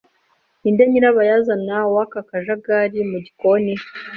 Ninde nyirabayazana w'aka kajagari mu gikoni?